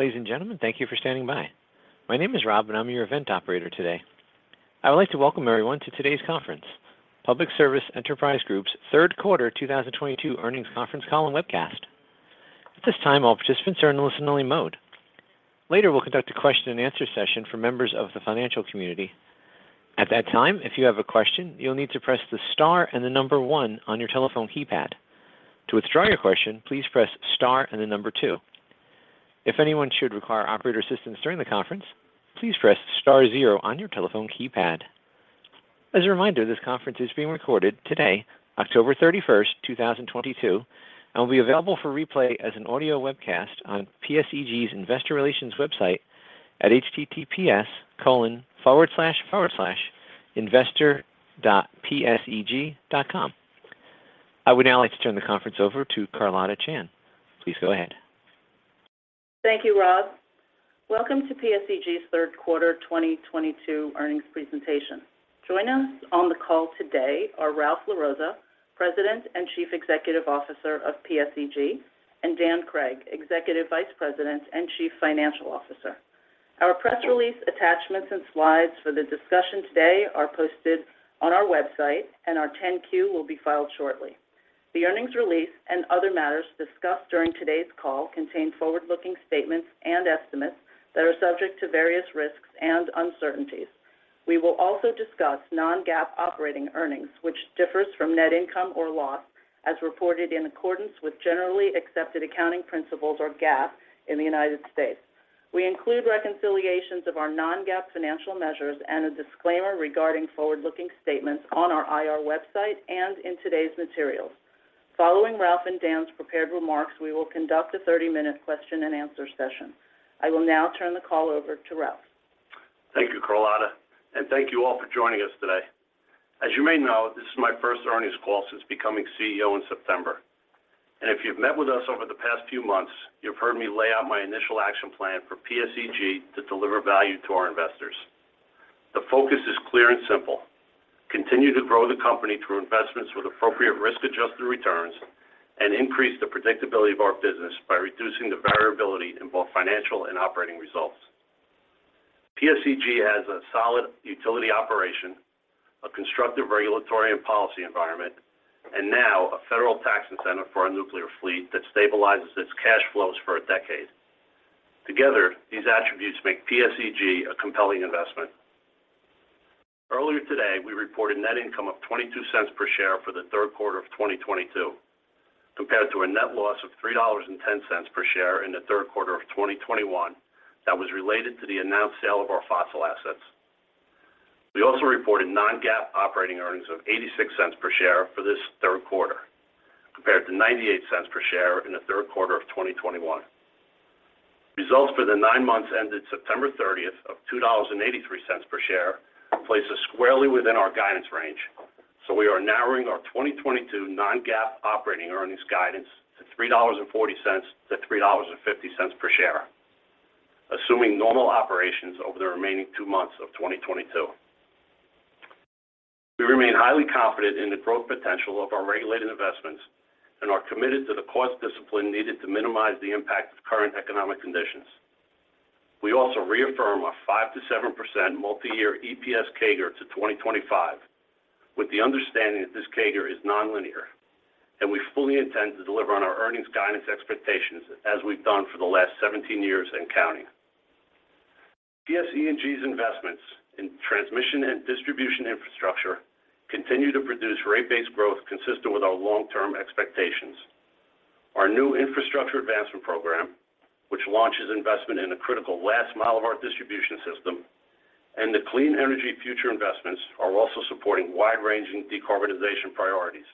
Ladies and gentlemen, thank you for standing by. My name is Rob, and I'm your event operator today. I would like to welcome everyone to today's conference, Public Service Enterprise Group's Q3 2022 earnings conference call and webcast. At this time, all participants are in listen-only mode. Later, we'll conduct a question-and-answer session for members of the financial community. At that time, if you have a question, you'll need to press the star and 1 on your telephone keypad. To withdraw your question, please press star and 2. If anyone should require operator assistance during the conference, please press star 0 on your telephone keypad. As a reminder, this conference is being recorded today, October 31, 2022, and will be available for replay as an audio webcast on PSEG's Investor Relations website at https://investor.pseg.com. I would now like to turn the conference over to Carlotta Chan. Please go ahead. Thank you, Rob. Welcome to PSEG's Q3 2022 earnings presentation. Joining us on the call today are Ralph LaRossa, President and Chief Executive Officer of PSEG, and Dan Craig, Executive Vice President and Chief Financial Officer. Our press release attachments and slides for the discussion today are posted on our website, and our 10-Q will be filed shortly. The earnings release and other matters discussed during today's call contain forward-looking statements and estimates that are subject to various risks and uncertainties. We will also discuss non-GAAP operating earnings, which differs from net income or loss as reported in accordance with generally accepted accounting principles or GAAP in the United States. We include reconciliations of our non-GAAP financial measures and a disclaimer regarding forward-looking statements on our IR website and in today's materials. Following Ralph and Dan's prepared remarks, we will conduct a 30-minute question-and-answer session. I will now turn the call over to Ralph. Thank you, Carlotta, and thank you all for joining us today. As you may know, this is my first earnings call since becoming CEO in September. If you've met with us over the past few months, you've heard me lay out my initial action plan for PSEG to deliver value to our investors. The focus is clear and simple, continue to grow the company through investments with appropriate risk-adjusted returns and increase the predictability of our business by reducing the variability in both financial and operating results. PSEG has a solid utility operation, a constructive regulatory and policy environment, and now a federal tax incentive for our nuclear fleet that stabilizes its cash flows for a decade. Together, these attributes make PSEG a compelling investment. Earlier today, we reported net income of $0.22 per share for the Q3 of 2022, compared to a net loss of $3.10 per share in the Q3 of 2021 that was related to the announced sale of our fossil assets. We also reported non-GAAP operating earnings of $0.86 per share for this Q3, compared to $0.98 per share in the third quarter of 2021. Results for the nine months ended September 30 of $2.83 per share places squarely within our guidance range. We are narrowing our 2022 non-GAAP operating earnings guidance to $3.40-$3.50 per share, assuming normal operations over the remaining two months of 2022. We remain highly confident in the growth potential of our regulated investments and are committed to the cost discipline needed to minimize the impact of current economic conditions. We also reaffirm our 5%-7% multi-year EPS CAGR to 2025, with the understanding that this CAGR is nonlinear, and we fully intend to deliver on our earnings guidance expectations as we've done for the last 17 years and counting. PSEG's investments in transmission and distribution infrastructure continue to produce rate-based growth consistent with our long-term expectations. Our new Infrastructure Advancement Program, which launches investment in the critical last mile of our distribution system, and the Clean Energy Future investments are also supporting wide-ranging decarbonization priorities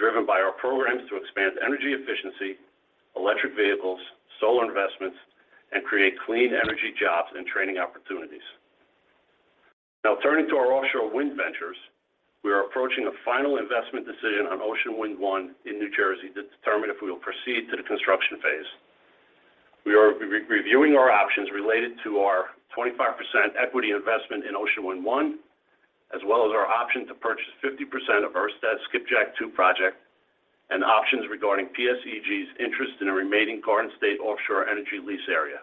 driven by our programs to expand energy efficiency, electric vehicles, solar investments, and create clean energy jobs and training opportunities. Now turning to our offshore wind ventures, we are approaching a final investment decision on Ocean Wind 1 in New Jersey to determine if we will proceed to the construction phase. We are re-reviewing our options related to our 25% equity investment in Ocean Wind 1, as well as our option to purchase 50% of Ørsted's Skipjack Wind 2 project and options regarding PSEG's interest in a remaining Garden State offshore energy lease area.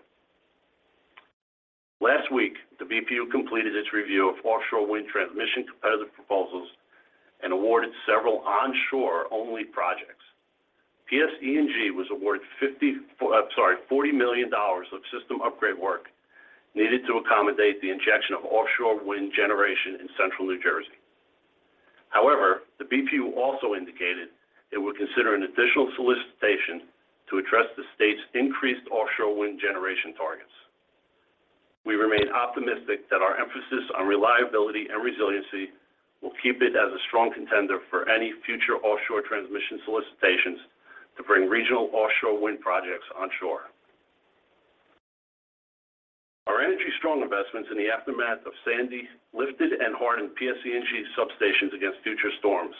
Last week, the BPU completed its review of offshore wind transmission competitive proposals and awarded several onshore-only projects. PSEG was awarded $40 million of system upgrade work needed to accommodate the injection of offshore wind generation in central New Jersey. However, the BPU also indicated it would consider an additional solicitation to address the state's increased offshore wind generation targets. We remain optimistic that our emphasis on reliability and resiliency will keep it as a strong contender for any future offshore transmission solicitations to bring regional offshore wind projects onshore. Our Energy Strong investments in the aftermath of Sandy lifted and hardened PSEG's substations against future storms.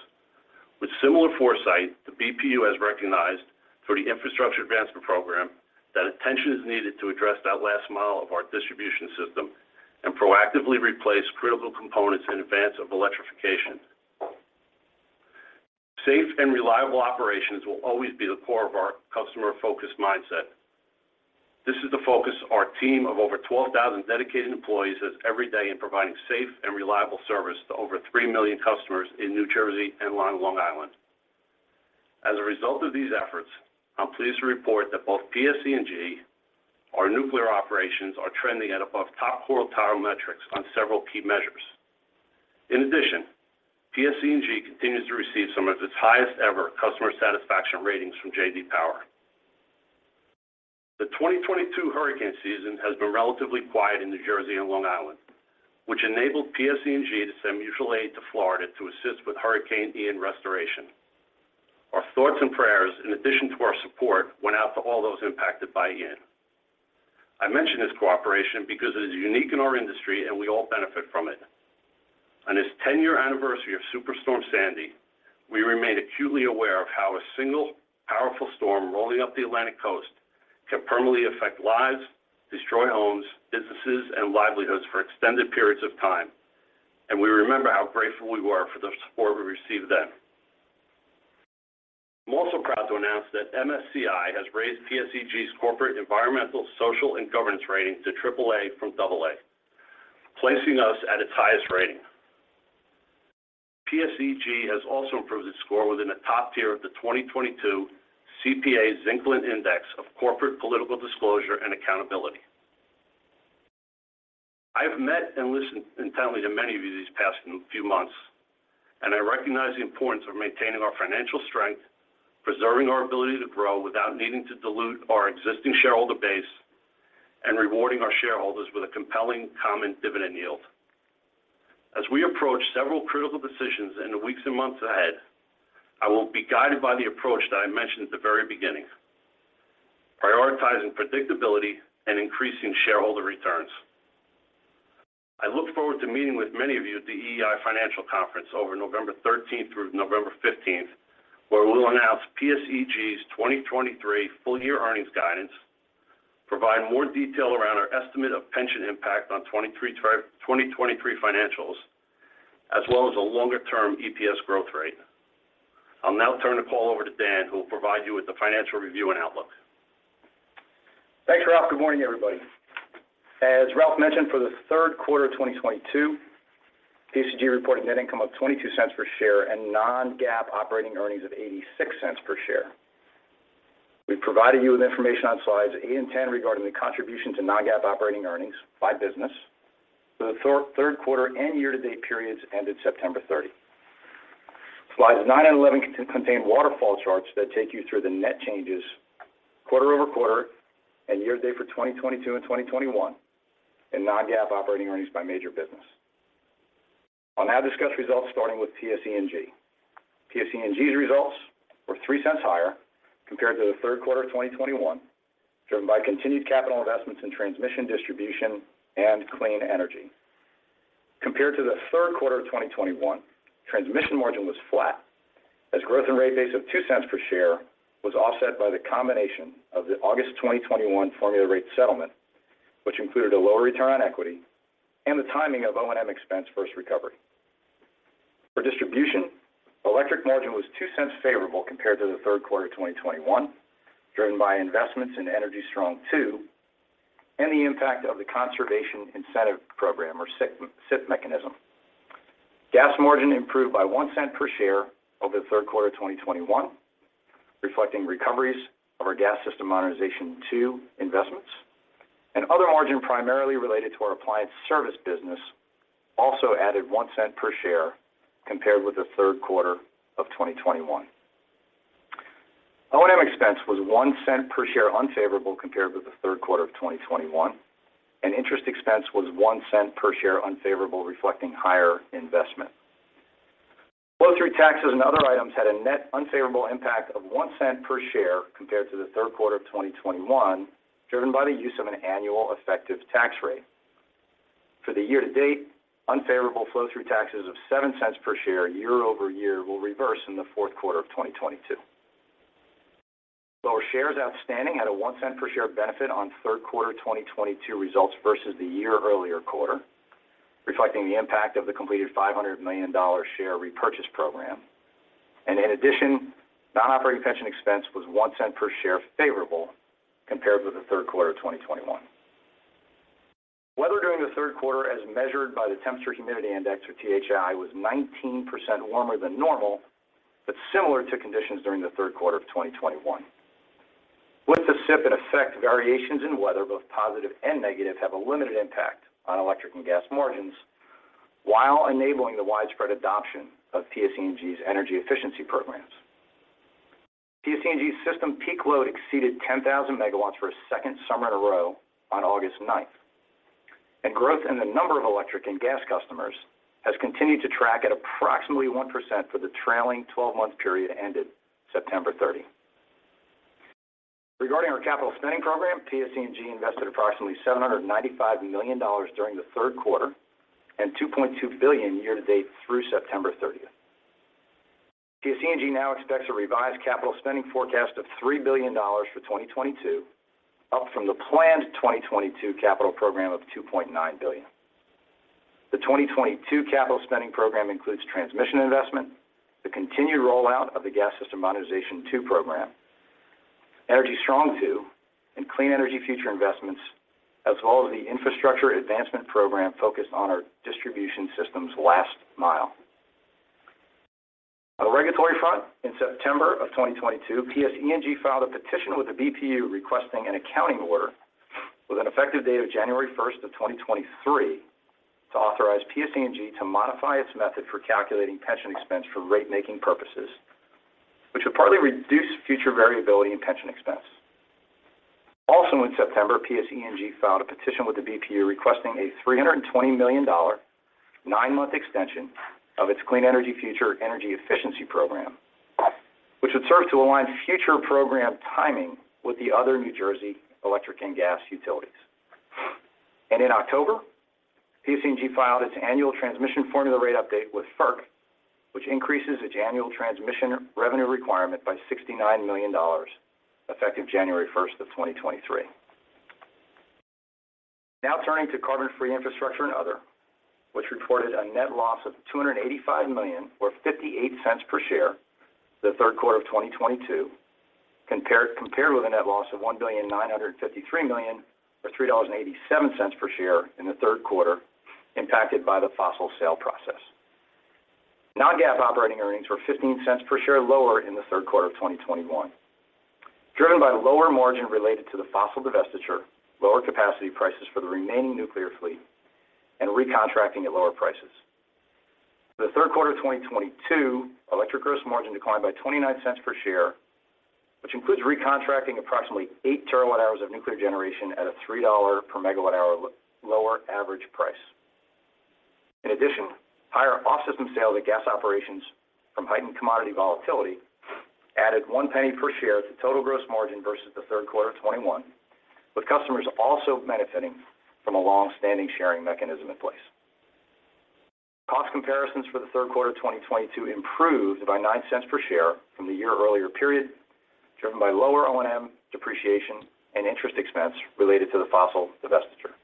With similar foresight, the BPU has recognized through the Infrastructure Advancement Program that attention is needed to address that last mile of our distribution system and proactively replace critical components in advance of electrification. Safe and reliable operations will always be the core of our customer-focused mindset. This is the focus our team of over 12,000 dedicated employees has every day in providing safe and reliable service to over 3 million customers in New Jersey and Long Island. As a result of these efforts, I'm pleased to report that both PSEG's nuclear operations are trending at above top quartile metrics on several key measures. In addition, PSEG continues to receive some of its highest ever customer satisfaction ratings from J.D. Power. The 2022 hurricane season has been relatively quiet in New Jersey and Long Island, which enabled PSEG to send mutual aid to Florida to assist with Hurricane Ian restoration. Our thoughts and prayers, in addition to our support, went out to all those impacted by Ian. I mention this cooperation because it is unique in our industry and we all benefit from it. On this 10-year anniversary of Superstorm Sandy, we remain acutely aware of how a single powerful storm rolling up the Atlantic coast can permanently affect lives, destroy homes, businesses, and livelihoods for extended periods of time, and we remember how grateful we were for the support we received then. I'm also proud to announce that MSCI has raised PSEG's corporate environmental, social, and governance rating to triple A from double A, placing us at its highest rating. PSEG has also improved its score within the top tier of the 2022 CPA-Zicklin Index of Corporate Political Disclosure and Accountability. I've met and listened intently to many of you these past few months, and I recognize the importance of maintaining our financial strength, preserving our ability to grow without needing to dilute our existing shareholder base, and rewarding our shareholders with a compelling common dividend yield. As we approach several critical decisions in the weeks and months ahead, I will be guided by the approach that I mentioned at the very beginning, prioritizing predictability and increasing shareholder returns. I look forward to meeting with many of you at the EEI Financial Conference over November thirteenth through November fifteenth, where we will announce PSEG's 2023 full-year earnings guidance, provide more detail around our estimate of pension impact on 2023 financials, as well as a longer-term EPS growth rate. I'll now turn the call over to Dan, who will provide you with the financial review and outlook. Thanks, Ralph. Good morning, everybody. As Ralph mentioned, for the third quarter of 2022, PSEG reported net income of $0.22 per share and non-GAAP operating earnings of $0.86 per share. We've provided you with information on slides 8 and 10 regarding the contribution to non-GAAP operating earnings by business for the third quarter and year-to-date periods ended September 30. Slides 9 and 11 contain waterfall charts that take you through the net changes quarter-over-quarter and year-to-date for 2022 and 2021 and non-GAAP operating earnings by major business. I'll now discuss results starting with PSEG. PSEG's results were $0.03 higher compared to the Q3 of 2021, driven by continued capital investments in transmission, distribution, and clean energy. Compared to the Q3 of 2021, transmission margin was flat as growth in rate base of $0.02 per share was offset by the combination of the August 2021 formula rate settlement, which included a lower return on equity and the timing of O&M expense first recovery. For distribution, electric margin was $0.02 favorable compared to the Q3 of 2021, driven by investments in Energy Strong II and the impact of the Conservation Incentive Program or CIP mechanism. Gas margin improved by $0.01 per share over the Q3 of 2021, reflecting recoveries of our Gas System Modernization Program II investments. Other margin primarily related to our appliance service business also added $0.01 per share compared with Q3 of 2021. O&M expense was 1 cent per share unfavorable compared with Q3 of 2021, and interest expense was 1 cent per share unfavorable, reflecting higher investment. Flow-through taxes and other items had a net unfavorable impact of 1 cent per share compared to Q3 of 2021, driven by the use of an annual effective tax rate. For the year-to-date, unfavorable flow-through taxes of 7 cents per share year over year will reverse in Q4 of 2022. Lower shares outstanding had a 1 cent per share benefit on Q3 2022 results versus the year earlier quarter, reflecting the impact of the completed $500 million share repurchase program. Non-operating pension expense was 1 cent per share favorable compared with Q3 of 2021. Weather during Q3, as measured by the Temperature Humidity Index, or THI, was 19% warmer than normal, but similar to conditions during Q3 of 2021. With the CIP in effect, variations in weather, both positive and negative, have a limited impact on electric and gas margins while enabling the widespread adoption of PSEG's energy efficiency programs. PSEG's system peak load exceeded 10,000 megawatts for a second summer in a row on August ninth. Growth in the number of electric and gas customers has continued to track at approximately 1% for the trailing twelve-month period ended September 30. Regarding our capital spending program, PSEG invested approximately $795 million during the third quarter and $2.2 billion year-to-date through September 30. PSEG now expects a revised capital spending forecast of $3 billion for 2022, up from the planned 2022 capital program of $2.9 billion. The 2022 capital spending program includes transmission investment, the continued rollout of the Gas System Modernization Program II, Energy Strong II, and Clean Energy Future investments, as well as the Infrastructure Advancement Program focused on our distribution system's last mile. On the regulatory front, in September 2022, PSEG filed a petition with the BPU requesting an accounting order with an effective date of January 1, 2023 to authorize PSEG to modify its method for calculating pension expense for rate-making purposes, which will partly reduce future variability in pension expense. Also in September, PSEG filed a petition with the BPU requesting a $320 million nine-month extension of its Clean Energy Future energy efficiency program, which would serve to align future program timing with the other New Jersey electric and gas utilities. In October, PSEG filed its annual transmission formula rate update with FERC, which increases its annual transmission revenue requirement by $69 million effective January 1, 2023. Now turning to carbon-free infrastructure and other, which reported a net loss of $285 million or $0.58 per share in the third quarter of 2022 compared with a net loss of $1.953 billion or $3.87 per share inQ3 impacted by the fossil sale process. Non-GAAP operating earnings were $0.15 per share lower in Q3 of 2021, driven by the lower margin related to the fossil divestiture, lower capacity prices for the remaining nuclear fleet, and re-contracting at lower prices. For Q3 of 2022, electric gross margin declined by $0.29 per share, which includes re-contracting approximately eight TWh of nuclear generation at a $3 per MWh lower average price. In addition, higher off-system sales at gas operations from heightened commodity volatility added $0.01 per share to total gross margin versus Q3 of 2021, with customers also benefiting from a long-standing sharing mechanism in place. Cost comparisons for Q3 of 2022 improved by $0.09 per share from the year earlier period, driven by lower O&M depreciation and interest expense related to the fossil divestiture.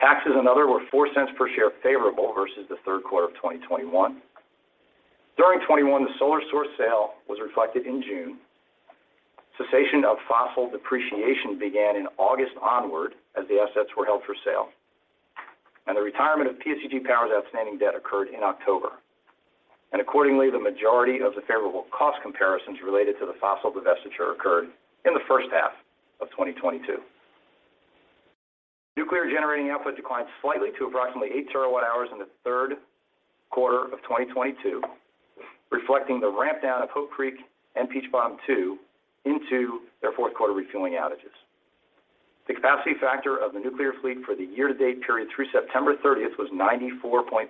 Taxes and other were $0.04 per share favorable versus Q3 of 2021. During 2021, the Solar Source sale was reflected in June. Cessation of fossil depreciation began in August onward as the assets were held for sale. The retirement of PSEG Power's outstanding debt occurred in October. Accordingly, the majority of the favorable cost comparisons related to the fossil divestiture occurred in H1 of 2022. Nuclear generating output declined slightly to approximately 8 TWh in Q3 of 2022, reflecting the ramp down of Hope Creek and Peach Bottom two into their Q4 refueling outages. The capacity factor of the nuclear fleet for the year-to-date period through September 30th was 94.3%.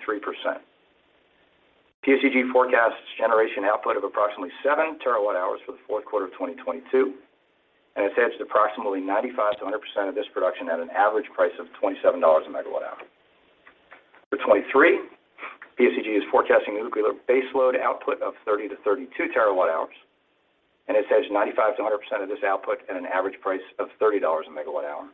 PSEG forecasts generation output of approximately 7 TWh for Q4 of 2022, and it hedged approximately 95%-100% of this production at an average price of $27/MWh. For 2023, PSEG is forecasting a nuclear baseload output of 30-32 TWh, and it hedges 95%-100% of this output at an average price of $30/MWh.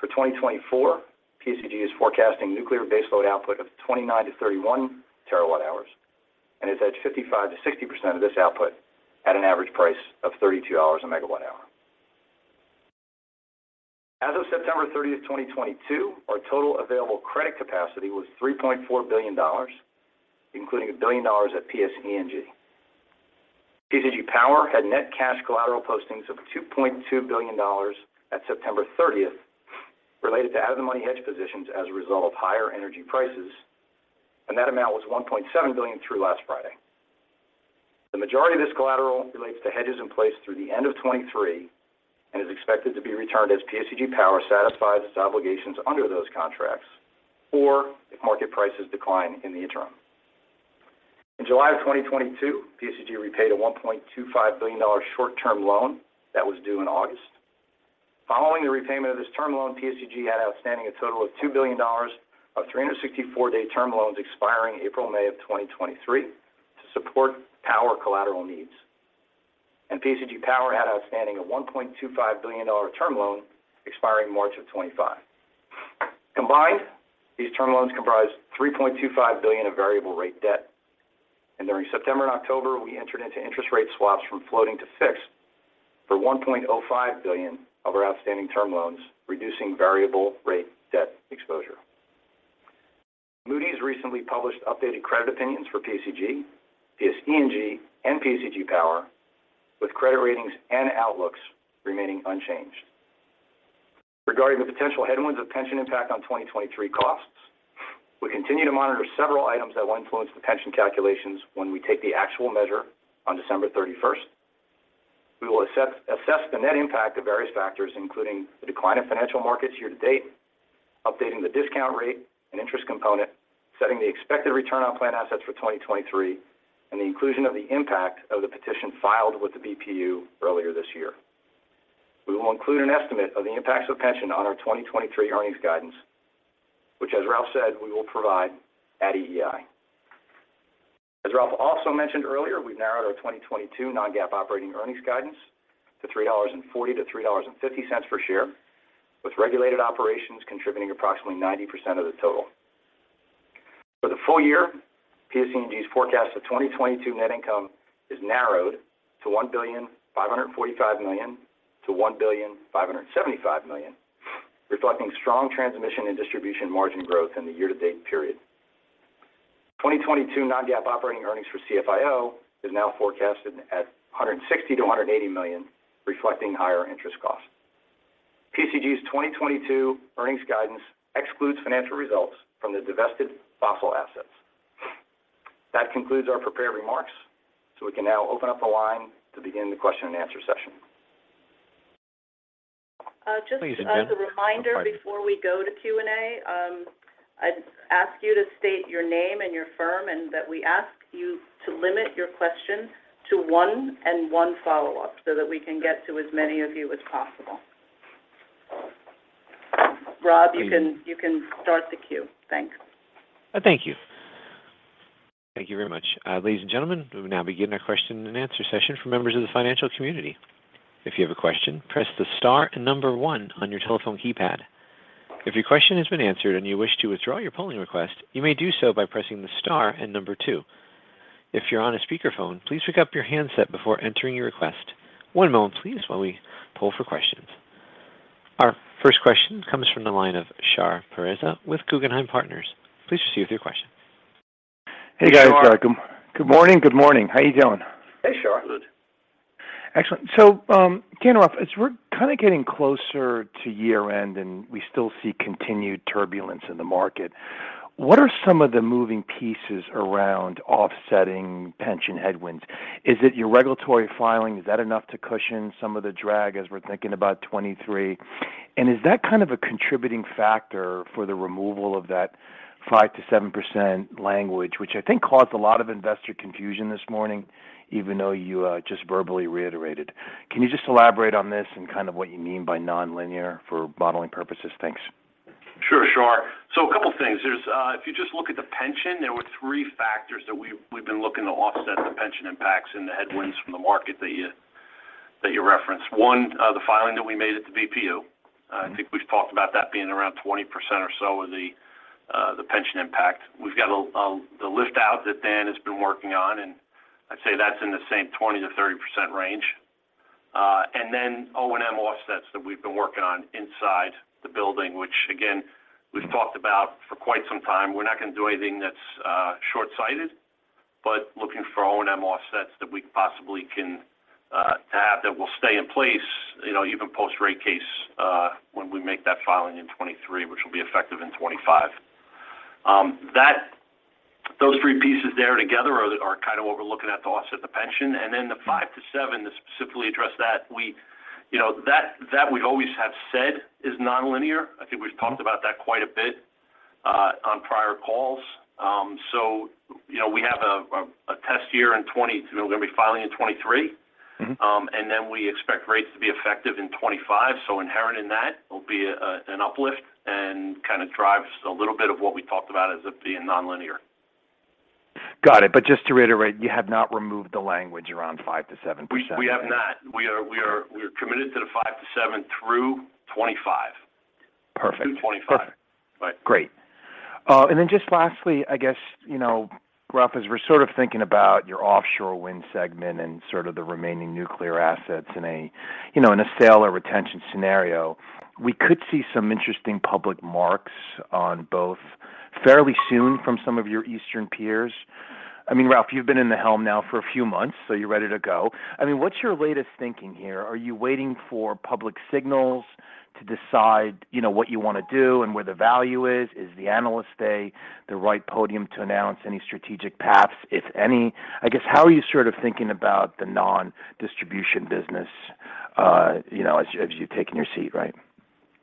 For 2024, PSEG is forecasting nuclear baseload output of 29-31 TWh, and it's hedged 55%-60% of this output at an average price of $32/MWh. As of September 30, 2022, our total available credit capacity was $3.4 billion, including $1 billion at PSEG. PSEG Power had net cash collateral postings of $2.2 billion at September 30th related to out-of-the-money hedge positions as a result of higher energy prices, and that amount was $1.7 billion through last Friday. The majority of this collateral relates to hedges in place through the end of 2023 and is expected to be returned as PSEG Power satisfies its obligations under those contracts or if market prices decline in the interim. In July 2022, PSEG repaid a $1.25 billion short-term loan that was due in August. Following the repayment of this term loan, PSEG had outstanding a total of $2 billion of 364-day term loans expiring April and May 2023 to support power collateral needs. PSEG Power had outstanding a $1.25 billion term loan expiring March 2025. Combined, these term loans comprise $3.25 billion of variable rate debt. During September and October, we entered into interest rate swaps from floating to fixed for $1.05 billion of our outstanding term loans, reducing variable rate debt exposure. Moody's recently published updated credit opinions for PSEG, PSE&G, and PSEG Power with credit ratings and outlooks remaining unchanged. Regarding the potential headwinds of pension impact on 2023 costs, we continue to monitor several items that will influence the pension calculations when we take the actual measure on December thirty-first. We will assess the net impact of various factors, including the decline in financial markets year to date, updating the discount rate and interest component, setting the expected return on plan assets for 2023, and the inclusion of the impact of the petition filed with the BPU earlier this year. We will include an estimate of the impacts of pension on our 2023 earnings guidance, which as Ralph said, we will provide at EEI. As Ralph also mentioned earlier, we've narrowed our 2022 non-GAAP operating earnings guidance to $3.40-$3.50 per share, with regulated operations contributing approximately 90% of the total. For the full year, PSEG's forecast for 2022 net income is narrowed to $1.545 billion-$1.575 billion, reflecting strong transmission and distribution margin growth in the year-to-date period. 2022 non-GAAP operating earnings for CFI&O is now forecasted at $160-$180 million, reflecting higher interest costs. PSEG's 2022 earnings guidance excludes financial results from the divested fossil assets. That concludes our prepared remarks, so we can now open up the line to begin the question-and-answer session. Just as a reminder before we go to Q&A, I'd ask you to state your name and your firm, and that we ask you to limit your questions to one and one follow-up so that we can get to as many of you as possible. Rob, you can start the queue. Thanks. Thank you. Thank you very much. Ladies and gentlemen, we will now begin our question-and-answer session for members of the financial community. If you have a question, press the star and 1 on your telephone keypad. If your question has been answered and you wish to withdraw your polling request, you may do so by pressing the star and 2. If you're on a speakerphone, please pick up your handset before entering your request. One moment, please, while we poll for questions. Our first question comes from the line of Shar Pourreza with Guggenheim Partners. Please proceed with your question. Hey, guys. Good morning, good morning. How you doing? Hey, Shar. Excellent. Again, Ralph, as we're kind of getting closer to year-end, and we still see continued turbulence in the market, what are some of the moving pieces around offsetting pension headwinds? Is it your regulatory filing? Is that enough to cushion some of the drag as we're thinking about 2023? And is that kind of a contributing factor for the removal of that 5%-7% language, which I think caused a lot of investor confusion this morning, even though you just verbally reiterated. Can you just elaborate on this and kind of what you mean by nonlinear for modeling purposes? Thanks. Sure, Shar. A couple of things. There's, if you just look at the pension, there were three factors that we've been looking to offset the pension impacts and the headwinds from the market that you referenced. One, the filing that we made at the BPU. I think we've talked about that being around 20% or so of the pension impact. We've got the lift out that Dan has been working on, and I'd say that's in the same 20%-30% range. O&M offsets that we've been working on inside the building, which again, we've talked about for quite some time. We're not gonna do anything that's short-sighted, but looking for O&M offsets that we possibly can to have that will stay in place, you know, even post-rate case, when we make that filing in 2023, which will be effective in 2025. Those three pieces there together are kind of what we're looking at to offset the pension. Then the 5-7, to specifically address that, we, you know, that we always have said is nonlinear. I think we've talked about that quite a bit on prior calls. You know, we have a test year in 2023. We're gonna be filing in 2023. Mm-hmm. We expect rates to be effective in 25. Inherent in that will be an uplift and kind of drives a little bit of what we talked about as it being nonlinear. Got it. Just to reiterate, you have not removed the language around 5%-7%. We have not. We're committed to the 5-7 through 25. Perfect. Through 25. Perfect. Right. Great. Just lastly, I guess, you know, Ralph, as we're sort of thinking about your offshore wind segment and sort of the remaining nuclear assets in a, you know, in a sale or retention scenario, we could see some interesting public markets on both fairly soon from some of your eastern peers. I mean, Ralph, you've been at the helm now for a few months, so you're ready to go. I mean, what's your latest thinking here? Are you waiting for public signals to decide, you know, what you want to do and where the value is? Is the Analyst Day the right podium to announce any strategic paths, if any? I guess, how are you sort of thinking about the non-distribution business, you know, as you, as you've taken your seat, right?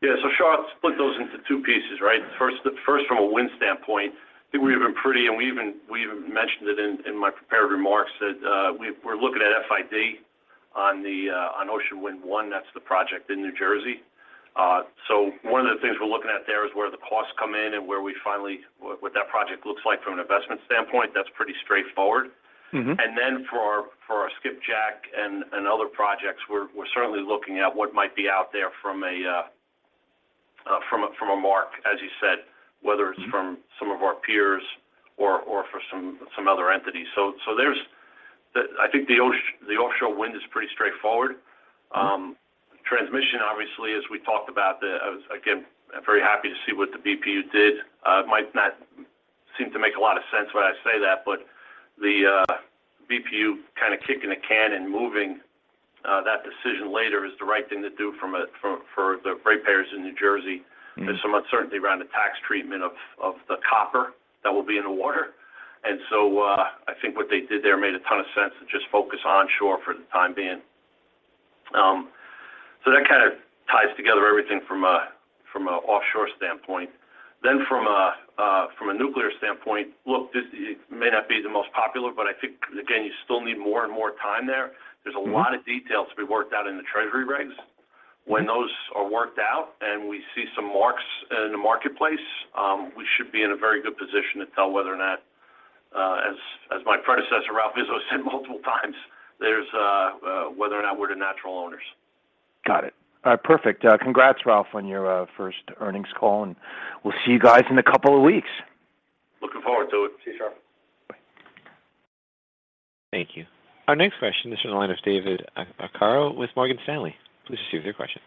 Yeah. Shar, I'll split those into two pieces, right? First from a wind standpoint, I think we've been pretty, and we even mentioned it in my prepared remarks that we're looking at FID on Ocean Wind 1. That's the project in New Jersey. One of the things we're looking at there is where the costs come in and what that project looks like from an investment standpoint. That's pretty straightforward. Mm-hmm. Then for our Skipjack and other projects, we're certainly looking at what might be out there from a mark, as you said. Mm-hmm. Whether it's from some of our peers or for some other entities. I think the offshore wind is pretty straightforward. Transmission obviously, as we talked about, I was again very happy to see what the BPU did. It might not seem to make a lot of sense when I say that, but the BPU kind of kicking the can and moving that decision later is the right thing to do for the ratepayers in New Jersey. Mm-hmm. There's some uncertainty around the tax treatment of the copper that will be in the water. I think what they did there made a ton of sense to just focus onshore for the time being. That kind of ties together everything from an offshore standpoint. From a nuclear standpoint, look, this may not be the most popular, but I think again, you still need more and more time there. Mm-hmm. There's a lot of details to be worked out in the Treasury regs. When those are worked out and we see some marks in the marketplace, we should be in a very good position to tell whether or not, as my predecessor, Ralph Izzo, said multiple times, whether or not we're the natural owners. Got it. Perfect. Congrats, Ralph, on your first earnings call, and we'll see you guys in a couple of weeks. Looking forward to it. See you, Shar. Bye. Thank you. Our next question is from the line of David Arcaro with Morgan Stanley. Please proceed with your question.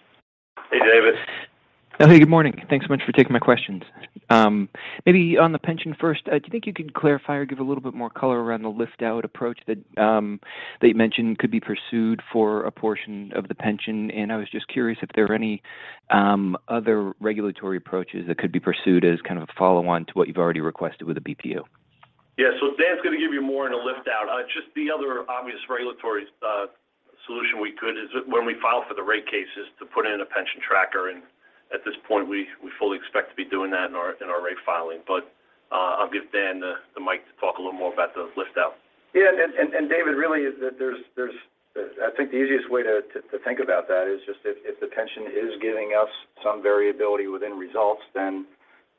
Hey, David. Hey. Good morning. Thanks so much for taking my questions. Maybe on the pension first, do you think you could clarify or give a little bit more color around the lift out approach that you mentioned could be pursued for a portion of the pension? I was just curious if there are any other regulatory approaches that could be pursued as kind of a follow on to what you've already requested with the BPU. Yeah. Dan's gonna give you more on the lift out. Just the other obvious regulatory solution we could is when we file for the rate cases to put in a pension tracker. At this point, we fully expect to be doing that in our rate filing. I'll give Dan the mic to talk a little more about the lift out. Yeah. David, really is that there's. I think the easiest way to think about that is just if the pension is giving us some variability within results, then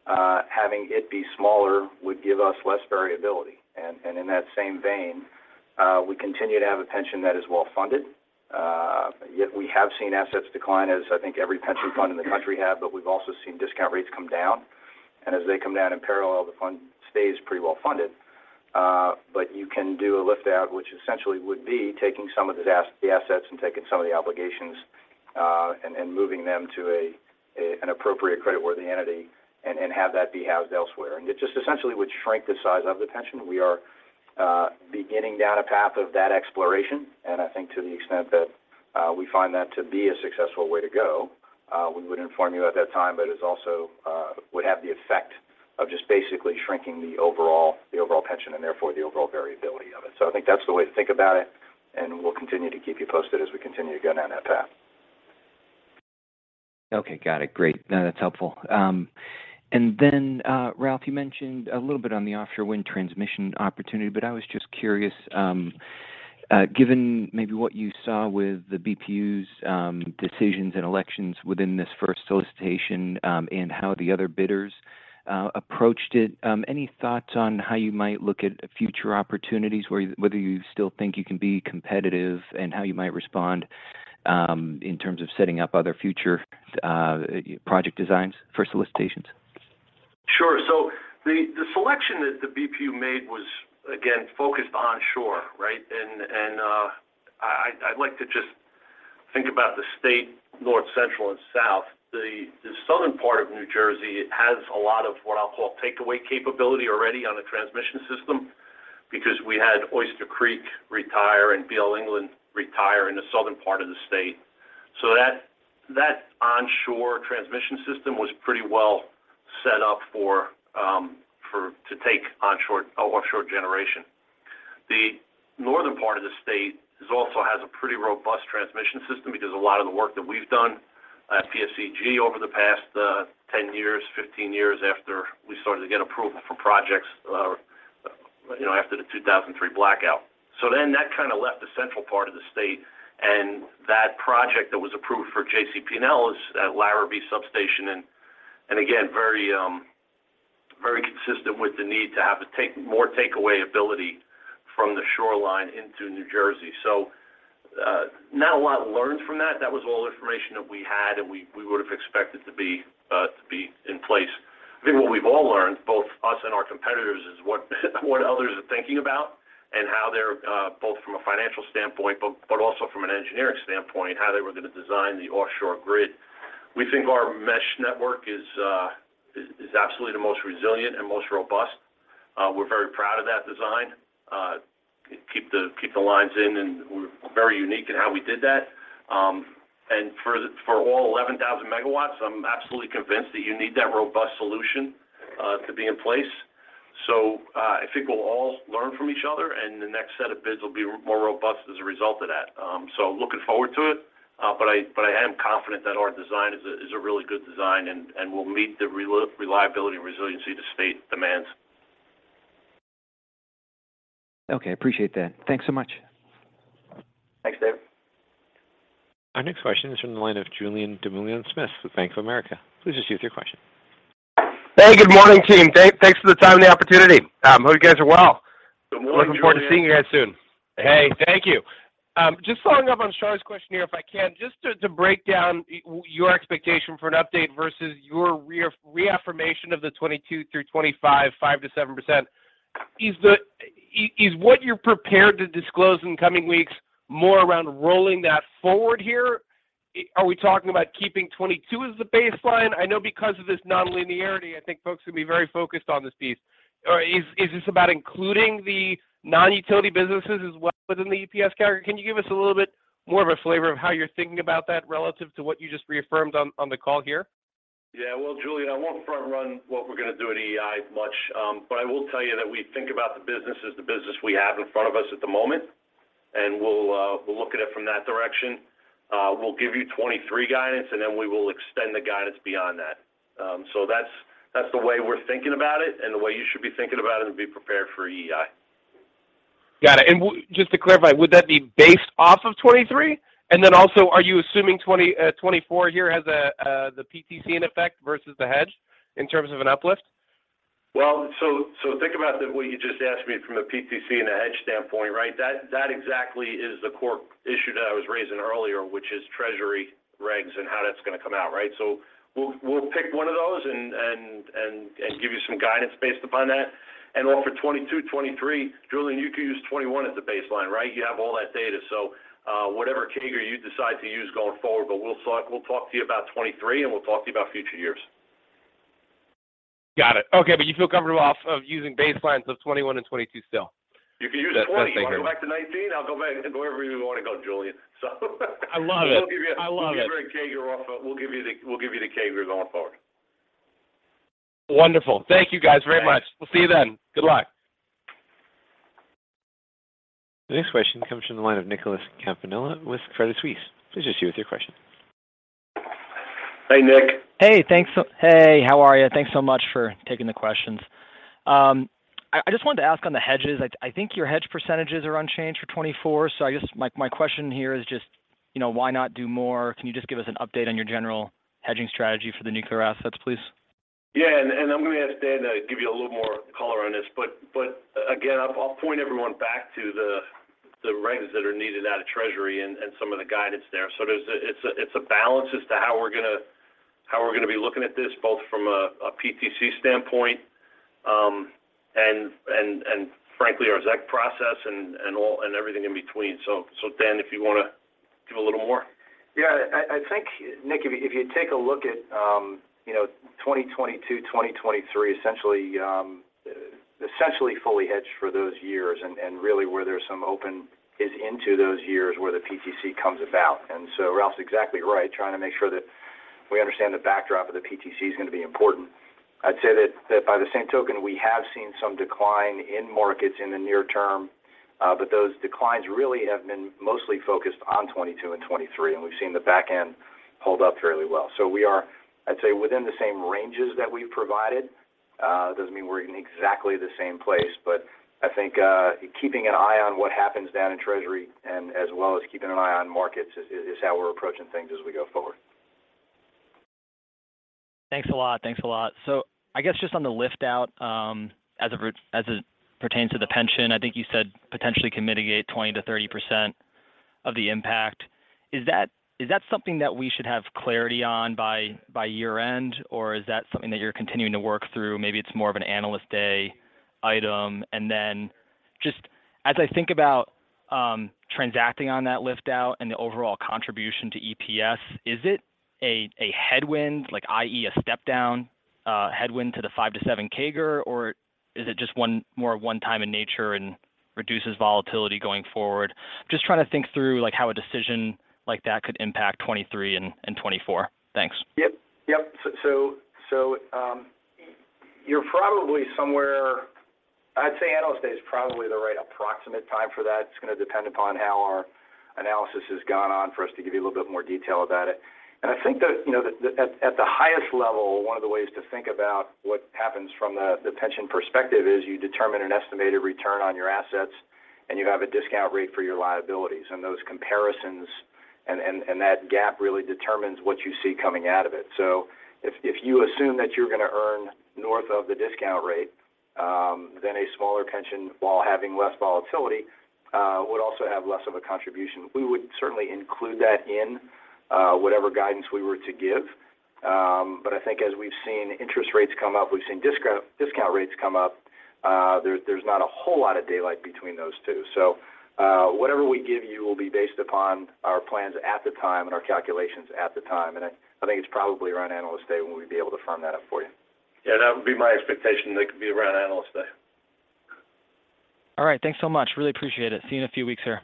having it be smaller would give us less variability. In that same vein, we continue to have a pension that is well-funded. Yet we have seen assets decline, as I think every pension fund in the country have, but we've also seen discount rates come down. As they come down in parallel, the fund stays pretty well funded. You can do a lift out, which essentially would be taking some of the assets and taking some of the obligations, and moving them to an appropriate creditworthy entity and have that be housed elsewhere. It just essentially would shrink the size of the pension. We are beginning down a path of that exploration. I think to the extent that we find that to be a successful way to go, we would inform you at that time. It also would have the effect of just basically shrinking the overall pension and therefore the overall variability of it. I think that's the way to think about it, and we'll continue to keep you posted as we continue to go down that path. Okay. Got it. Great. No, that's helpful. Ralph, you mentioned a little bit on the offshore wind transmission opportunity, but I was just curious, given maybe what you saw with the BPU's decisions and selections within this first solicitation, and how the other bidders approached it, any thoughts on how you might look at future opportunities whether you still think you can be competitive and how you might respond, in terms of setting up other future project designs for solicitations? Sure. The selection that the BPU made was again focused onshore, right? I'd like to just think about the state north, central and south. The southern part of New Jersey has a lot of what I'll call takeaway capability already on the transmission system because we had Oyster Creek retire and B.L. England retire in the southern part of the state. That onshore transmission system was pretty well set up to take onshore, offshore generation. The northern part of the state also has a pretty robust transmission system because a lot of the work that we've done at PSEG over the past 10 years, 15 years after we started to get approval for projects, you know, after the 2003 blackout. That kind of left the central part of the state. That project that was approved for JCP&L is that Larrabee substation. Again, very consistent with the need to have more takeaway ability from the shoreline into New Jersey. Not a lot learned from that. That was all information that we had, and we would have expected to be in place. I think what we've all learned, both us and our competitors, is what others are thinking about and how they're both from a financial standpoint, but also from an engineering standpoint, how they were going to design the offshore grid. We think our mesh network is absolutely the most resilient and most robust. We're very proud of that design, keep the lines in, and we're very unique in how we did that. For all 11,000 MW, I'm absolutely convinced that you need that robust solution to be in place. I think we'll all learn from each other, and the next set of bids will be more robust as a result of that. Looking forward to it. I am confident that our design is a really good design and will meet the reliability and resiliency the state demands. Okay. Appreciate that. Thanks so much. Thanks, David. Our next question is from the line of Julien Dumoulin-Smith with Bank of America. Please proceed with your question. Hey, good morning, team. Thanks for the time and the opportunity. Hope you guys are well. Good morning, Julien. Looking forward to seeing you guys soon. Hey, thank you. Just following up on Charlie's question here, if I can. Just to break down your expectation for an update versus your reaffirmation of the 2022 through 2025, 5%-7%. Is what you're prepared to disclose in the coming weeks more around rolling that forward here? Are we talking about keeping 2022 as the baseline? I know because of this nonlinearity, I think folks are gonna be very focused on this piece. Or is this about including the non-utility businesses as well within the EPS CAGR? Can you give us a little bit more of a flavor of how you're thinking about that relative to what you just reaffirmed on the call here? Yeah. Well, Julian, I won't front run what we're gonna do at EEI much. But I will tell you that we think about the business as the business we have in front of us at the moment, and we'll look at it from that direction. We'll give you 2023 guidance, and then we will extend the guidance beyond that. So that's the way we're thinking about it and the way you should be thinking about it and be prepared for EEI. Got it. Just to clarify, would that be based off of 2023? Also, are you assuming 2024 here has the PTC in effect versus the hedge in terms of an uplift? Well, so think about what you just asked me from a PTC and a hedge standpoint, right? That exactly is the core issue that I was raising earlier, which is Treasury regs and how that's gonna come out, right? We'll pick one of those and give you some guidance based upon that. For 2022, 2023, Julien, you could use 2021 as a baseline, right? You have all that data. Whatever CAGR you decide to use going forward. We'll talk to you about 2023, and we'll talk to you about future years. Got it. Okay, you feel comfortable off of using baselines of 21 and 22 still? You can use 20. You wanna go back to 19? I'll go back wherever you want to go, Julian. I love it. I love it. We'll give you the CAGR going forward. Wonderful. Thank you guys very much. We'll see you then. Good luck. The next question comes from the line of Nicholas Campanella with Credit Suisse. Please proceed with your question. Hey, Nick. Hey, how are you? Thanks so much for taking the questions. I just wanted to ask on the hedges. I think your hedge percentages are unchanged for 2024, so I guess my question here is just, you know, why not do more? Can you just give us an update on your general hedging strategy for the nuclear assets, please? Yeah. I'm gonna ask Dan to give you a little more color on this. I'll point everyone back to the regs that are needed out of Treasury and some of the guidance there. It's a balance as to how we're gonna be looking at this, both from a PTC standpoint, and frankly, our ZEC process and all everything in between. Dan, if you wanna do a little more. Yeah. I think, Nick, if you take a look at, you know, 2022, 2023, essentially fully hedged for those years and really where there's some open is into those years where the PTC comes about. Ralph's exactly right. Trying to make sure that we understand the backdrop of the PTC is gonna be important. I'd say that by the same token, we have seen some decline in markets in the near term, but those declines really have been mostly focused on 2022 and 2023, and we've seen the back end hold up fairly well. We are, I'd say, within the same ranges that we've provided. Doesn't mean we're in exactly the same place. I think, keeping an eye on what happens down in Treasury and as well as keeping an eye on markets is how we're approaching things as we go forward. Thanks a lot. I guess just on the lift out, as it pertains to the pension, I think you said potentially can mitigate 20%-30% of the impact. Is that something that we should have clarity on by year-end, or is that something that you're continuing to work through? Maybe it's more of an Analyst Day item. Just as I think about transacting on that lift out and the overall contribution to EPS, is it a headwind, like i.e., a step down headwind to the 5%-7% CAGR, or is it just one-time in nature and reduces volatility going forward? Just trying to think through like how a decision like that could impact 2023 and 2024. Thanks. Yep. You're probably somewhere. I'd say Analyst Day is probably the right approximate time for that. It's gonna depend upon how our analysis has gone on for us to give you a little bit more detail about it. I think that, you know, at the highest level, one of the ways to think about what happens from the pension perspective is you determine an estimated return on your assets, and you have a discount rate for your liabilities. Those comparisons and that gap really determines what you see coming out of it. If you assume that you're gonna earn north of the discount rate, then a smaller pension, while having less volatility, would also have less of a contribution. We would certainly include that in whatever guidance we were to give. I think as we've seen interest rates come up, we've seen discount rates come up, there's not a whole lot of daylight between those two. Whatever we give you will be based upon our plans at the time and our calculations at the time. I think it's probably around Analyst Day when we'd be able to firm that up for you. Yeah, that would be my expectation. That could be around Analyst Day. All right. Thanks so much. Really appreciate it. See you in a few weeks here.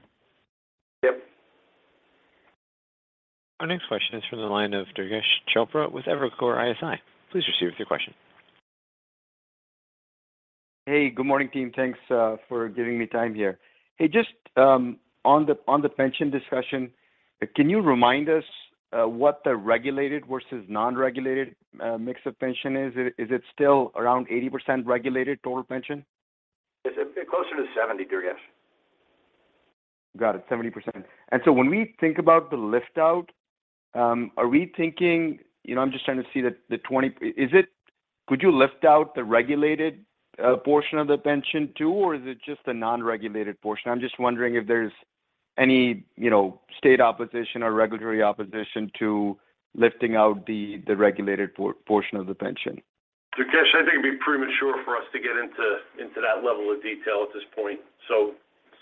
Yep. Our next question is from the line of Durgesh Chopra with Evercore ISI. Please proceed with your question. Hey, good morning team. Thanks for giving me time here. Hey, just on the pension discussion, can you remind us what the regulated versus non-regulated mix of pension is? Is it still around 80% regulated total pension? It's closer to seventy, Durgesh. Got it, 70%. When we think about the lift out, are we thinking, you know, I'm just trying to see the 20. Could you lift out the regulated portion of the pension too, or is it just the non-regulated portion? I'm just wondering if there's any, you know, state opposition or regulatory opposition to lifting out the regulated portion of the pension. Durgesh, I think it'd be premature for us to get into that level of detail at this point.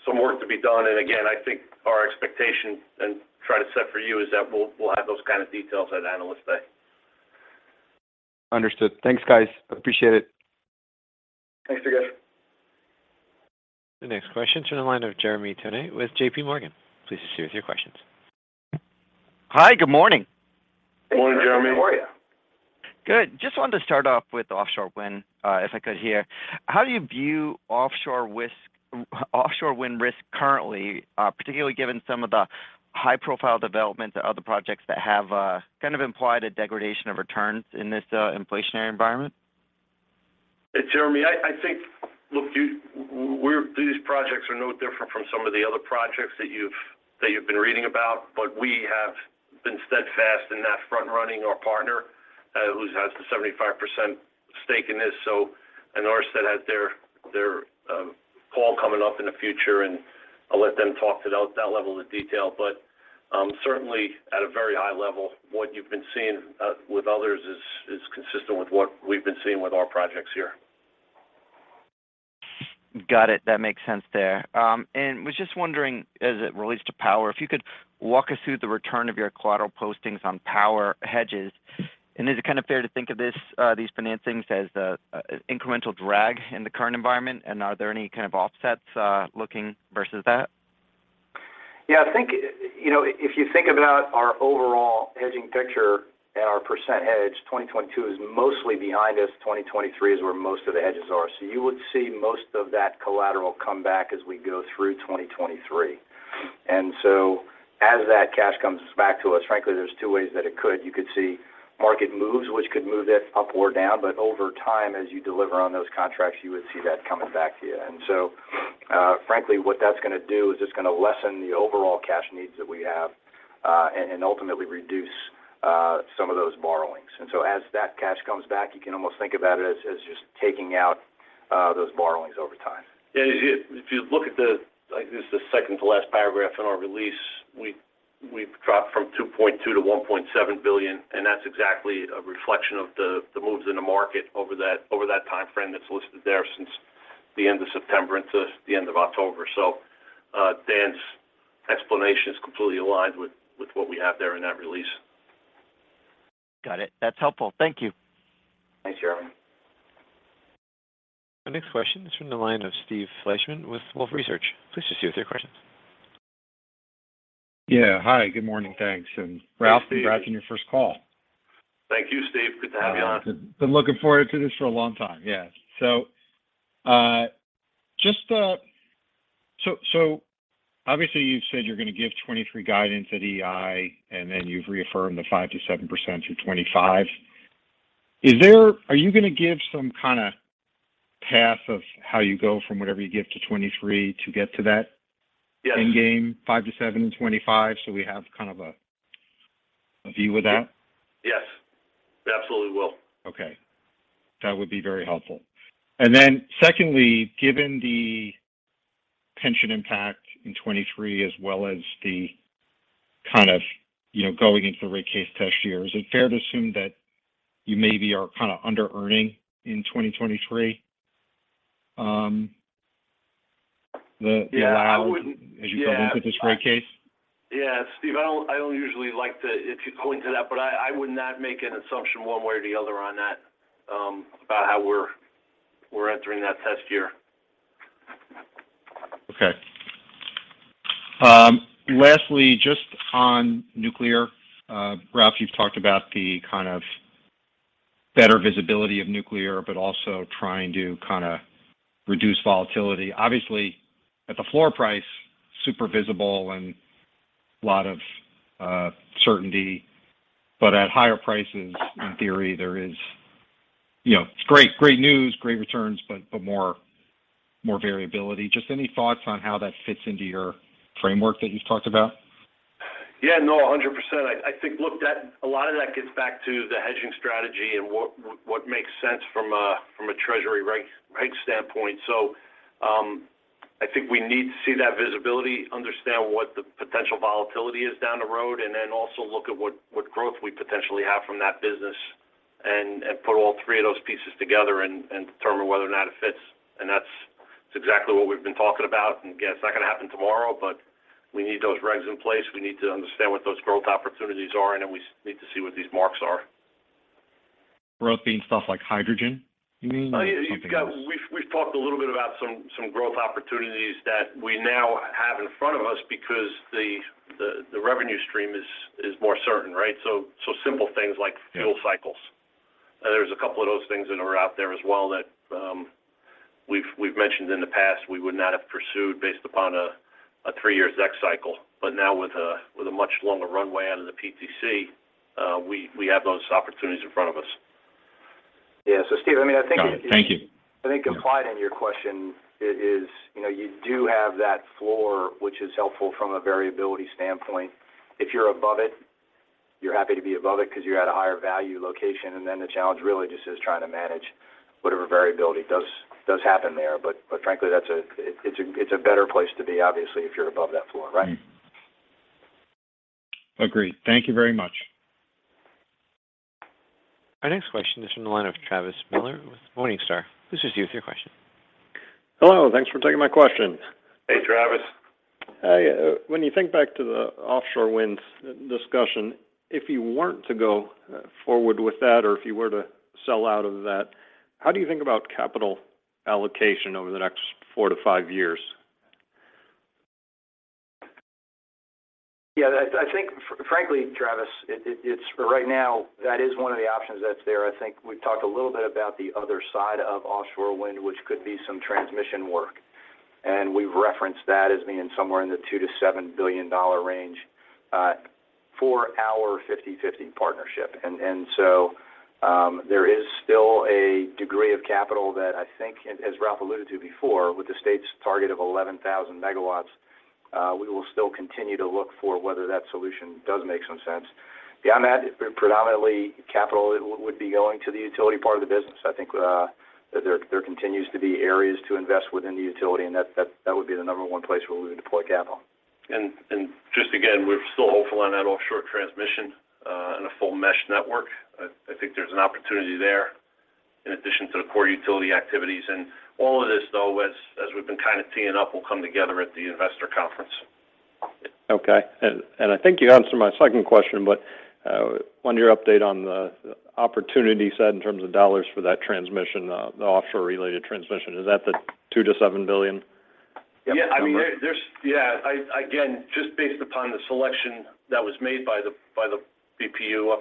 Some work to be done. Again, I think our expectation and try to set for you is that we'll have those kind of details at Analyst Day. Understood. Thanks, guys. Appreciate it. Thanks, Durgesh. The next question's from the line of Jeremy Tonet with JPMorgan. Please proceed with your questions. Hi, good morning. Morning, Jeremy. How are you? Good. Just wanted to start off with offshore wind, if I could here. How do you view offshore wind risk currently, particularly given some of the high profile developments or other projects that have, kind of implied a degradation of returns in this, inflationary environment? Jeremy, I think these projects are no different from some of the other projects that you've been reading about, but we have been steadfast in that front-running our partner, who has the 75% stake in this. I know Ørsted has their call coming up in the future, and I'll let them talk to that level of detail. Certainly at a very high level, what you've been seeing with others is consistent with what we've been seeing with our projects here. Got it. That makes sense there. Was just wondering, as it relates to power, if you could walk us through the return of your collateral postings on power hedges. Is it kind of fair to think of this, these financings as incremental drag in the current environment? Are there any kind of offsets, looking versus that? Yeah. I think, you know, if you think about our overall hedging picture and our % hedge, 2022 is mostly behind us. 2023 is where most of the hedges are. You would see most of that collateral come back as we go through 2023. As that cash comes back to us, frankly, there's 2 ways that it could. You could see market moves, which could move that up or down, but over time, as you deliver on those contracts, you would see that coming back to you. Frankly, what that's gonna do is it's gonna lessen the overall cash needs that we have, and ultimately reduce some of those borrowings. As that cash comes back, you can almost think about it as just taking out those borrowings over time. Yeah. If you look at the—like, this is the second to last paragraph in our release, we've dropped from $2.2 billion - $1.7 billion, and that's exactly a reflection of the moves in the market over that timeframe that's listed there since the end of September until the end of October. Dan's explanation is completely aligned with what we have there in that release. Got it. That's helpful. Thank you. Thanks, Jeremy. Our next question is from the line of Steve Fleishman with Wolfe Research. Please proceed with your questions. Yeah. Hi, good morning. Thanks. Ralph- Hi, Steve. Congrats on your first call. Thank you, Steve. Good to have you on. I've been looking forward to this for a long time. Yeah. Obviously you've said you're gonna give 2023 guidance at EEI, and then you've reaffirmed the 5%-7% through 2025. Are you gonna give some kinda path of how you go from whatever you give to 2023 to get to that? Yes end game, 5-7 in 2025 so we have kind of a view of that? Yes. We absolutely will. Okay. That would be very helpful. Secondly, given the pension impact in 2023 as well as the kind of, you know, going into the rate case test year, is it fair to assume that you maybe are kind of under-earning in 2023? Yeah. As you come into this rate case? Yeah. Steve, I don't usually like to if you go into that, but I would not make an assumption one way or the other on that about how we're entering that test year. Okay. Lastly, just on nuclear, Ralph, you've talked about the kind of better visibility of nuclear, but also trying to kinda reduce volatility. Obviously, at the floor price, super visible and a lot of certainty. At higher prices. Mm-hmm In theory, there is, you know, great news, great returns, but more variability. Just any thoughts on how that fits into your framework that you've talked about? Yeah. No, 100%. I think, look, that a lot of that gets back to the hedging strategy and what makes sense from a treasury reg standpoint. So, I think we need to see that visibility, understand what the potential volatility is down the road, and then also look at what growth we potentially have from that business and put all three of those pieces together and determine whether or not it fits. That's, it's exactly what we've been talking about. Again, it's not gonna happen tomorrow, but we need those regs in place. We need to understand what those growth opportunities are, and then we need to see what these marks are. Growth being stuff like hydrogen, you mean? Or something else? We've talked a little bit about some growth opportunities that we now have in front of us because the revenue stream is more certain, right? So simple things like- Yeah fuel cycles. There's a couple of those things that are out there as well that we've mentioned in the past we would not have pursued based upon a three-year ZEC cycle. Now with a much longer runway out of the PTC, we have those opportunities in front of us. Yeah. Steve, I mean, I think. Got it. Thank you. I think implied in your question is, you know, you do have that floor, which is helpful from a variability standpoint. If you're above it, you're happy to be above it because you're at a higher value location, and then the challenge really just is trying to manage whatever variability does happen there. Frankly, that's a better place to be, obviously, if you're above that floor, right? Agreed. Thank you very much. Our next question is from the line of Travis Miller with Morningstar. This is you with your question. Hello. Thanks for taking my questions. Hey, Travis. Hi. When you think back to the offshore wind discussion, if you weren't to go forward with that, or if you were to sell out of that, how do you think about capital allocation over the next 4-5 years? Yeah. I think frankly, Travis, it's for right now, that is one of the options that's there. I think we've talked a little bit about the other side of offshore wind, which could be some transmission work. We've referenced that as being somewhere in the $2-$7 billion range for our 50-50 partnership. There is still a degree of capital that I think, as Ralph alluded to before, with the state's target of 11,000 MW, we will still continue to look for whether that solution does make some sense. Yeah, on that, predominantly capital would be going to the utility part of the business. I think there continues to be areas to invest within the utility, and that would be the number one place where we would deploy capital. Just again, we're still hopeful on that offshore transmission and a full mesh network. I think there's an opportunity there in addition to the core utility activities. All of this though, as we've been kind of teeing up, will come together at the investor conference. Okay. I think you answered my second question, but wanted your update on the opportunity set in terms of dollars for that transmission, the offshore-related transmission. Is that the $2 billion-$7 billion- Yeah. I mean. -number? Yeah. Again, just based upon the selection that was made by the BPU,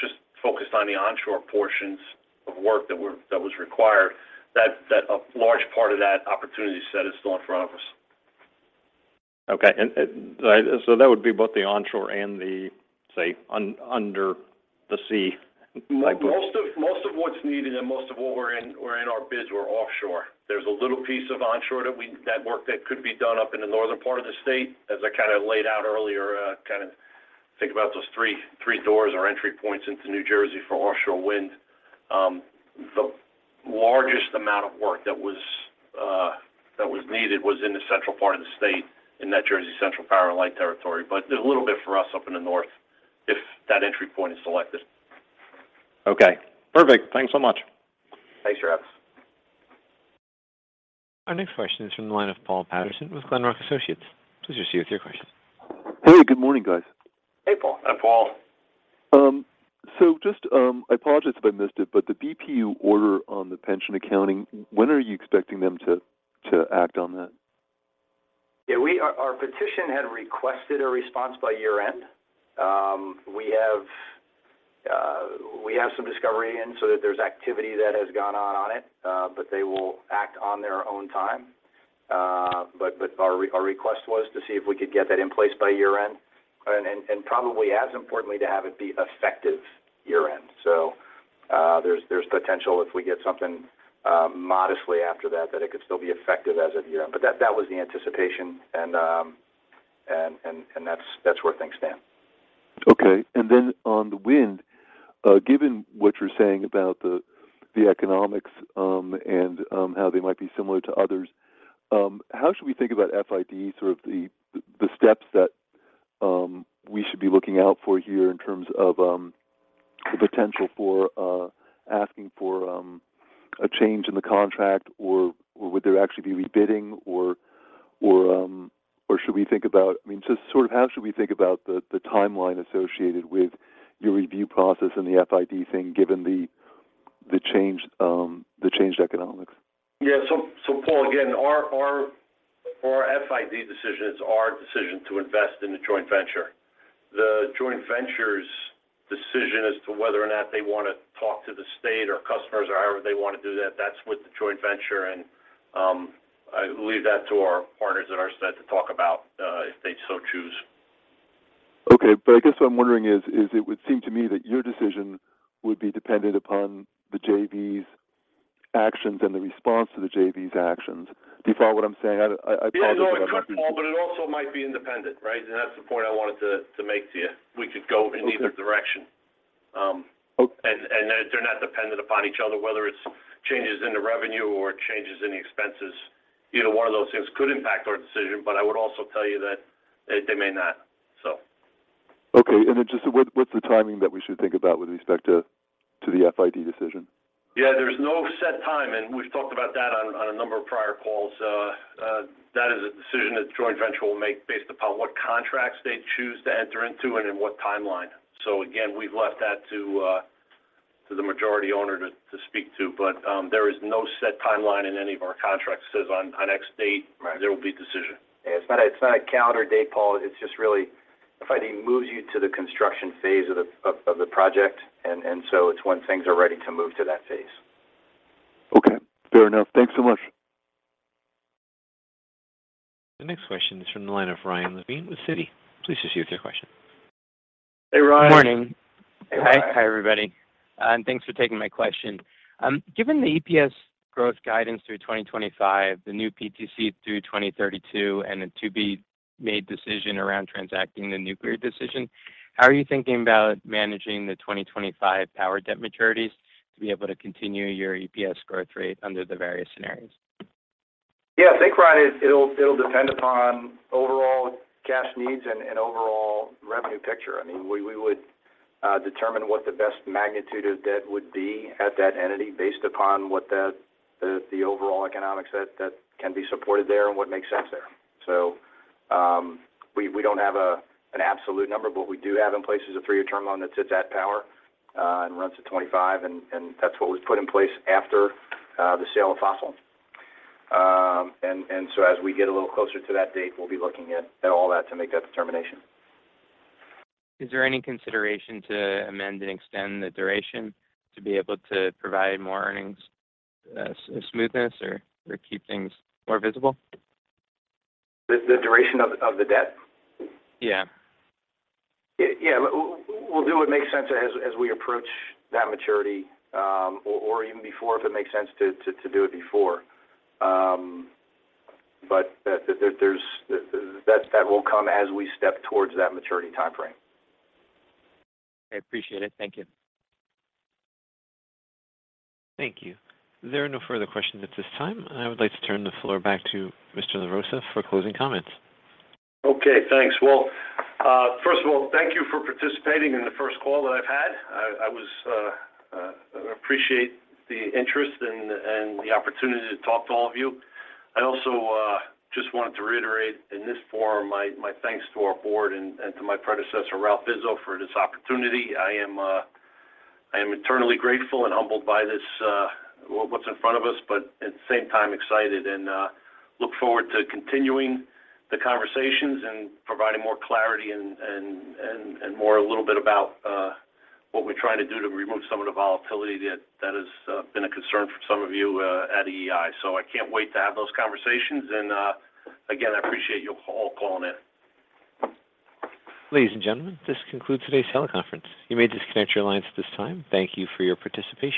just focused on the onshore portions of work that was required, that a large part of that opportunity set is still in front of us. That would be both the onshore and the, say, under the sea type of. Most of what's needed and most of what we're in our bids were offshore. There's a little piece of onshore work that could be done up in the northern part of the state. As I kind of laid out earlier, kind of think about those three doors or entry points into New Jersey for offshore wind. The largest amount of work that was needed was in the central part of the state in that Jersey Central Power & Light territory. There's a little bit for us up in the north if that entry point is selected. Okay. Perfect. Thanks so much. Thanks, Travis. Our next question is from the line of Paul Patterson with Glenrock Associates. Please proceed with your question. Hey, good morning, guys. Hey, Paul. Hi, Paul. I apologize if I missed it, but the BPU order on the pension accounting, when are you expecting them to act on that? Our petition had requested a response by year-end. We have some discovery in, so there's activity that has gone on it. They will act on their own time. Our request was to see if we could get that in place by year-end. Probably as importantly, to have it be effective year-end. There's potential if we get something modestly after that it could still be effective as of year-end. That was the anticipation and that's where things stand. Okay. On the wind, given what you're saying about the economics, and how they might be similar to others, how should we think about FID? Sort of the steps that we should be looking out for here in terms of the potential for asking for a change in the contract or would there actually be rebidding or should we think about? I mean, just sort of how should we think about the timeline associated with your review process and the FID thing, given the changed economics? Yeah. Paul, again, our FID decision, it's our decision to invest in the joint venture. The joint venture's decision as to whether or not they wanna talk to the state or customers or however they wanna do that's with the joint venture and I leave that to our partners at Ørsted talk about, if they so choose. Okay. I guess what I'm wondering is, it would seem to me that your decision would be dependent upon the JV's actions and the response to the JV's actions. Do you follow what I'm saying? I apologize if I'm not. Yeah. No, it could, Paul, but it also might be independent, right? That's the point I wanted to make to you. We could go in either direction. Okay. They're not dependent upon each other, whether it's changes in the revenue or changes in the expenses. Either one of those things could impact our decision, but I would also tell you that they may not, so. Okay. Just what's the timing that we should think about with respect to the FID decision? Yeah. There's no set time, and we've talked about that on a number of prior calls. That is a decision that the joint venture will make based upon what contracts they choose to enter into and in what timeline. Again, we've left that to the majority owner to speak to. There is no set timeline in any of our contracts that says on X date. Right There will be a decision. Yeah. It's not a calendar date, Paul. It's just really FID moves you to the construction phase of the project. It's when things are ready to move to that phase. Okay. Fair enough. Thanks so much. The next question is from the line of Ryan Levine with Citi. Please proceed with your question. Hey, Ryan. Morning. Hey, Ryan. Hi. Hi, everybody, and thanks for taking my question. Given the EPS growth guidance through 2025, the new PTC through 2032, and the to-be-made decision around transacting the nuclear decision, how are you thinking about managing the 2025 power debt maturities to be able to continue your EPS growth rate under the various scenarios? Yeah. I think, Ryan, it'll depend upon overall cash needs and overall revenue picture. I mean, we would determine what the best magnitude of debt would be at that entity based upon what the overall economics that can be supported there and what makes sense there. We don't have an absolute number, but we do have in place is a 3-year term loan that sits at Power and runs to 2025, and that's what was put in place after the sale of fossil. As we get a little closer to that date, we'll be looking at all that to make that determination. Is there any consideration to amend and extend the duration to be able to provide more earnings, smoothness or keep things more visible? The duration of the debt? Yeah. Yeah. We'll do what makes sense as we approach that maturity, or even before if it makes sense to do it before. That will come as we step towards that maturity timeframe. I appreciate it. Thank you. Thank you. There are no further questions at this time. I would like to turn the floor back to Mr. LaRossa for closing comments. Okay, thanks. Well, first of all, thank you for participating in the first call that I've had. I appreciate the interest and the opportunity to talk to all of you. I also just wanted to reiterate in this forum my thanks to our board and to my predecessor, Ralph Izzo, for this opportunity. I am eternally grateful and humbled by this, what's in front of us, but at the same time excited and look forward to continuing the conversations and providing more clarity and and more a little bit about what we're trying to do to remove some of the volatility that has been a concern for some of you at EEI. I can't wait to have those conversations. Again, I appreciate you all calling in. Ladies and gentlemen, this concludes today's teleconference. You may disconnect your lines at this time. Thank you for your participation.